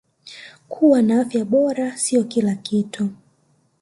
Kuwa na afya bora sio kila kitu